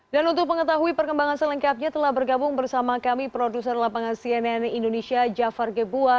dan untuk pengetahui perkembangan selengkapnya telah bergabung bersama kami produser lapangan cnn indonesia jafar gebua